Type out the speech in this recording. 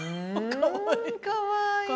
かわいい！